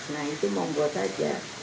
nah itu mam bowo saja